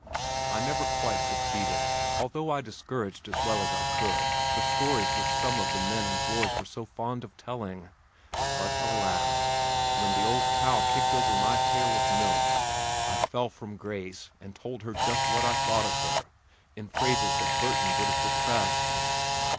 I never quite succeeded, although I discouraged as well as I could the stories which some of the men and boys were so fond of telling, but alas! when the old cow kicked over my pail of milk, I fell from grace and told her just what I thought of her in phrases that Burton would have repressed.